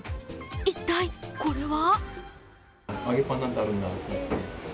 一体これは？